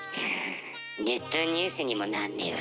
ネットニュースにもなんねえわ。